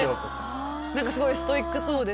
何かすごいストイックそうですし。